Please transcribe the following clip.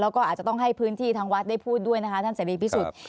แล้วก็อาจจะต้องให้พื้นที่ทางวัดได้พูดด้วยนะคะท่านเสรีพิสุทธิ์